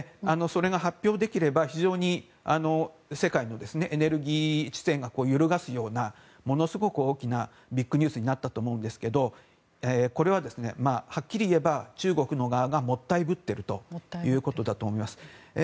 それが発表できれば非常に世界のエネルギー史を揺るがすようなものすごく大きなビッグニュースになったと思うんですけどこれは、はっきり言えば中国の側がもったいぶっているということだと思います。